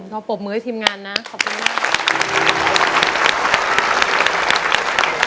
เราปรบมือให้ทีมงานนะขอบคุณมาก